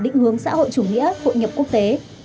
định hướng xã hội chủ nghĩa hội nhập quốc tế